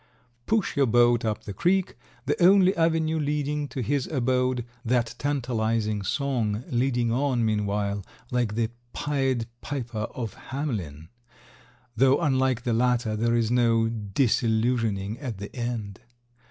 Push your boat up the creek, the only avenue leading to his abode, that tantalizing song leading on meanwhile like the Pied Piper of Hamelin, though unlike the latter there is no disillusioning at the end.